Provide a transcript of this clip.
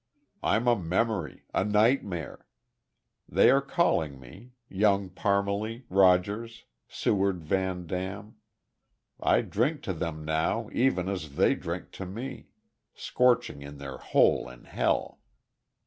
I'm a memory a nightmare. They are calling me Young Parmalee, Rogers, Seward Van Dam. I drink to them, now, even as they drink to me scorching in their hole in hell!"